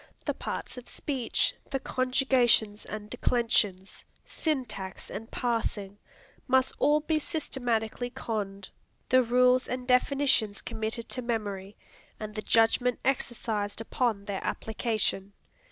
The parts of speech, the conjugations and declensions, syntax and parsing, must all be systematically conned, the rules and definitions committed to memory, and the judgment exercised upon their application.